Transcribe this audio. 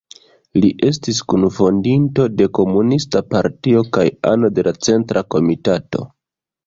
Li estis kunfondinto de komunista partio kaj ano de la centra komitato.